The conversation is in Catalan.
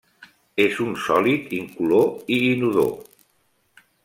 És un sòlid incolor i inodor.